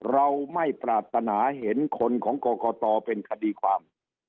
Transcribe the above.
เราไม่ปรารถนาเห็นคนของกรกตเป็นคดีความ